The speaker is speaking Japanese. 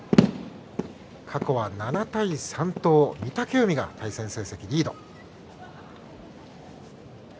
過去は７対３と御嶽海が対戦成績リード。